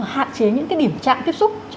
hạn chế những cái điểm trạng tiếp xúc